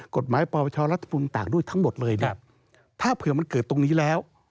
กฎหมายประวัติศาสตร์รัฐปรุงต่างด้วยทั้งหมดเลยเนี่ยถ้าเผื่อมันเกิดตรงนี้แล้ว